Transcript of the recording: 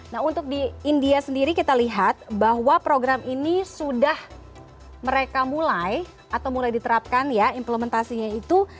nah untuk di india sendiri kita lihat bahwa program ini sudah mereka mulai atau mulai diterapkan ya implementasinya itu